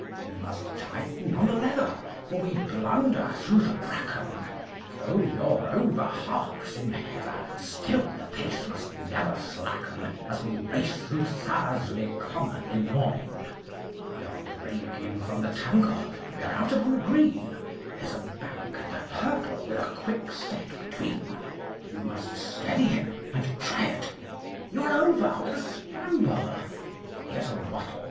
You must tighten on the leather, For we blunder through the bracken; Though you're over hocks in heather Still the pace must never slacken As we race through Thursley Common in the morning. We are breaking from the tangle We are out upon the green, There's a bank and a hurdle With a quickset between. You must steady him and try it, You are over with a scramble. Here's a wattle!